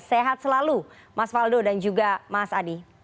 sehat selalu mas faldo dan juga mas adi